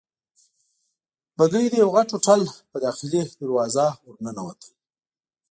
بګۍ د یوه غټ هوټل په داخلي دروازه ورننوتل.